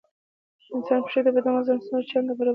د انسان پښې د بدن وزن څو چنده برداشت کوي.